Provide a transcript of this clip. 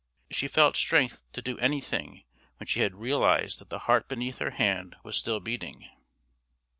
She felt strength to do anything when she had realised that the heart beneath her hand was still beating.